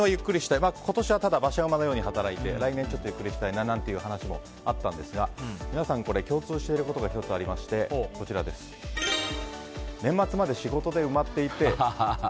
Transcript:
ただ、今年は馬車馬のように働いて来年ゆっくりしたいなという話もあったんですが皆さん、共通していることが１つありまして年末まで仕事で埋まっていて。